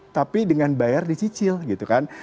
tapi dengan bayar dicicil gitu kan